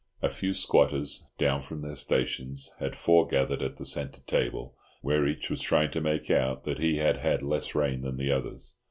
A few squatters, down from their stations, had fore gathered at the centre table, where each was trying to make out that he had had less rain than the others.